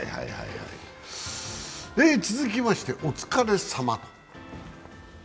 続きましてお疲れさま。